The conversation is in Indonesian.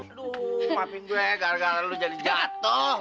aduh maafin gue gara gara lo jadi jatuh loh